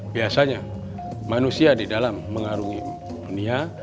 biasanya manusia di dalam mengarungi dunia